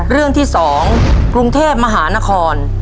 เรื่องที่๒กรุงเทพมหานคร